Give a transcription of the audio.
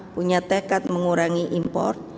punya tekat mengurangi impor